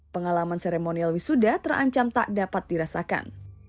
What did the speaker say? pengalaman seremonial wisuda terancam tak dapat dirasakan